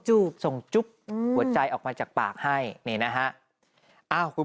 จูบส่งจุ๊บหัวใจออกมาจากปากให้นี่นะฮะ